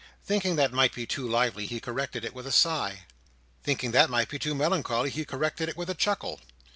Thinking that might be too lively, he corrected it with a sigh. Thinking that might be too melancholy, he corrected it with a chuckle.